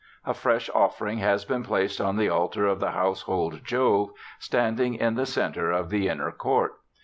A fresh offering has been placed on the altar of the household Jove, standing in the centre of the inner court.